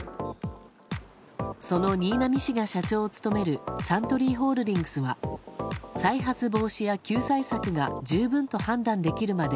その新浪氏が社長を務めるサントリーホールディングスは再発防止や救済策が十分と判断できるまで